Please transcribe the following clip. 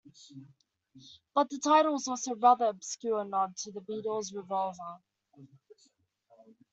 But the title is also a rather obscure nod to The Beatles' "Revolver".